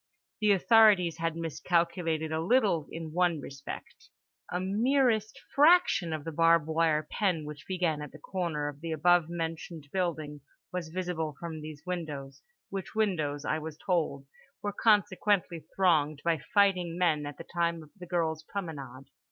The authorities had miscalculated a little in one respect: a merest fraction of the barb wire pen which began at the corner of the above mentioned building was visible from these windows, which windows (I was told) were consequently thronged by fighting men at the time of the girl's promenade.